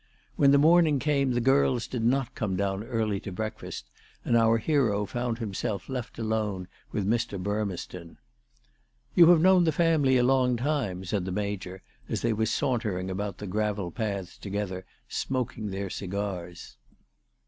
When the morning came the girls did not come down early to breakfast, and our hero found himself left alone with Mr. Burmeston. " You have known the family a long time," said the Major as they were sauntering about the gravel paths together, smoking their cigars.